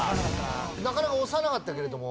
なかなか押さなかったけれども。